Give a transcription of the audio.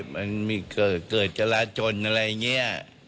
มันเกิดจราชนอะไรอย่างเงี้ย